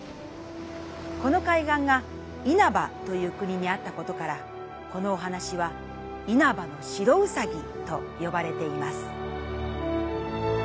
この海岸がいなばという国にあったことからこのおはなしは「いなばの白うさぎ」とよばれています。